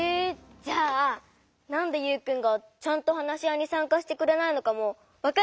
じゃあなんでユウくんがちゃんと話し合いにさんかしてくれないのかもわかるのかな？